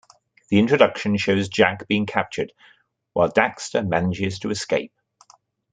The introduction shows Jak being captured, while Daxter manages to escape.